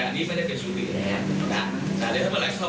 แต่อันนี้ไม่ใช่เป็นชุมหลี่แหล่งนะครับ